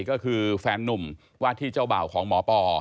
ก็คือแฟนนุ่มวาดที่เจ้าบ่าวของหมอปอ